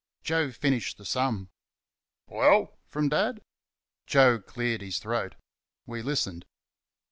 Joe finished the sum. "Well?" from Dad. Joe cleared his throat. We listened.